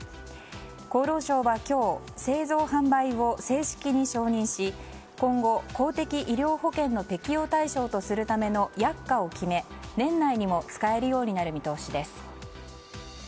厚労省は今日、製造・販売を正式に承認し今後、公的医療保険の適用対象とするための薬価を決め、年内にも使えるようになる見通しです。